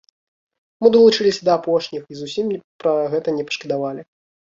Мы далучыліся да апошніх і зусім пра гэта не пашкадавалі.